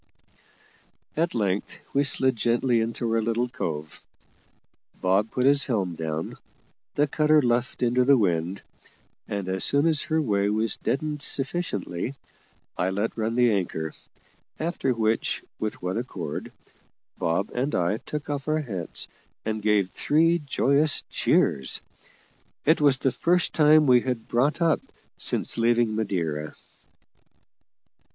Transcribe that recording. At length we slid gently into our little cove. Bob put his helm down; the cutter luffed into the wind, and, as soon as her way was deadened sufficiently, I let run the anchor; after which, with one accord, Bob and I took off our hats and gave three joyous cheers. It was the first time we had brought up since leaving Madeira.